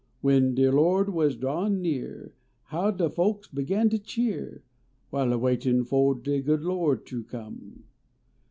When de Lo d was drawin near, How de folks begun to cheer. While a waitin fo de good Lo d ter come.